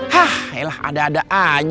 hah elah ada ada aja